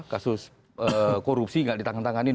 kasus korupsi gak ditangani tangani